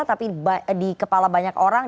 tapi di kepala banyak orang